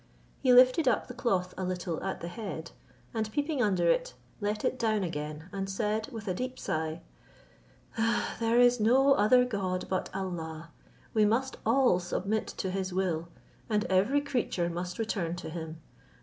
He lifted up the cloth a little at the head, and peeping under it, let it down again, and said, with a deep sigh, "There is no other God but Allah, we must all submit to his will, and every creature must return to him.